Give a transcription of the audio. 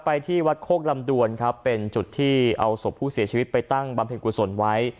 ที่วัดโคกลำดวนครับเป็นจุดที่เอาศพผู้เสียชีวิตไปตั้งบำเพ็ญกุศลไว้